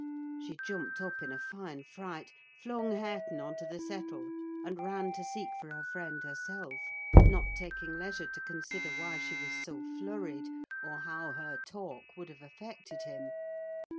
She jumped up in a fine fright, flung Hareton on to the settle, and ran to seek for her friend herself; not taking leisure to consider why she was so flurried, or how her talk would have affected him.